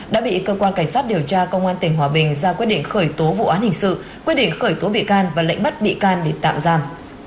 đã bị cơ quan cảnh sát điều tra công an tỉnh hòa bình ra quyết định khởi tố vụ án hình sự quyết định khởi tố bị can và lệnh bắt bị can để tạm giam